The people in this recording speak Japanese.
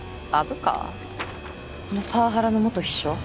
あのパワハラの元秘書？